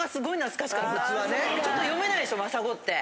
ちょっと読めないでしょまさごって。